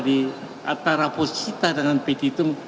di antara posisita dengan pt itu